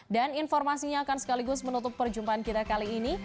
dan informasinya akan sekaligus menutup perjumpaan kita kali ini